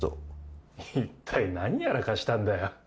いったい何やらかしたんだよ。